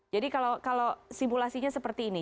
jadi kalau simulasinya seperti ini